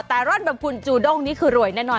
แต่ร่อนแบบคุณจูด้งนี่คือรวยแน่นอน